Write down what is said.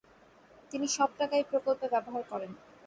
তিনি সব টাকা এই প্রকল্পে ব্যবহার করেন।